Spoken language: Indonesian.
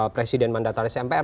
presiden mandataris mpr